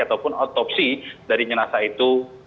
ataupun otopsi dari jenazah itu